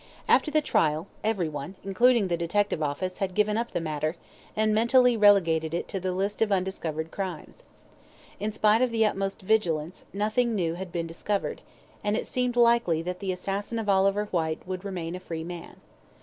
After the trial, everyone, including the detective office, had given up the matter, and mentally relegated it to the list of undiscovered crimes. In spite of the utmost vigilance, nothing new had been discovered, and it seemed likely that the assassin of Oliver Whyte would remain a free man.